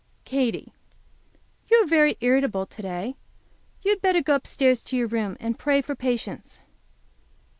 Kate. You are very irritable to day. You had better go upstairs to your room and pray for patience.